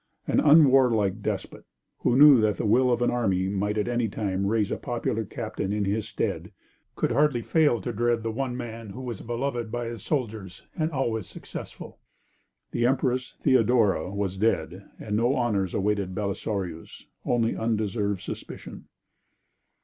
An unwarlike despot, who knew that the will of an army might at any time raise a popular captain in his stead, could hardly fail to dread the one man who was beloved by his soldiers and always successful. The Empress Theodora was dead, and no honors awaited Belisarius, only undeserved suspicion.